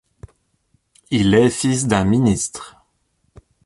Il est fils d'un ministre.